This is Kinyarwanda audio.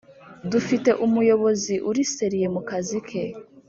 dufite umuyobozi uri seriye mukazi ke